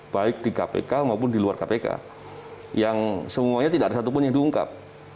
baik di kpk maupun di luar kpk yang semuanya tidak ada satupun yang diungkap